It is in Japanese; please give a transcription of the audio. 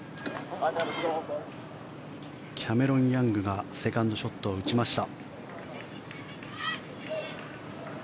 キャメロン・ヤングがセカンドショットを打ちました。